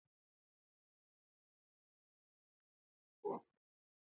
زموږ د کلي خلک د مذهبي ارزښتونو خورا درناوی کوي